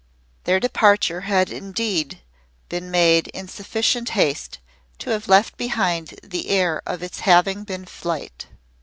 Their departure had indeed been made in sufficient haste to have left behind the air of its having been flight.